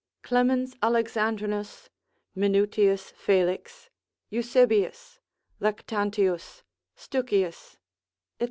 Clemens Alexandrinus, Minutius Felix, Eusebius, Lactantius, Stuckius, &c.